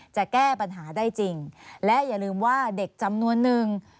จะแก้ปัญหาได้จริงและอย่าลืมว่าเด็กจำนวนนึง